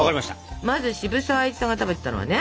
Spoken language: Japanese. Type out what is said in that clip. まず渋沢栄一さんが食べてたのはね